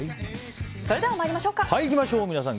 それでは参りましょう。